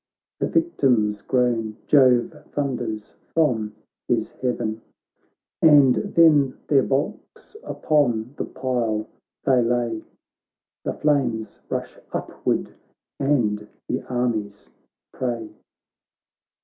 The victims groan — Jove thunders from his heaverf. And then their bulks upon the pile they The flames rush upward, and the armies pray.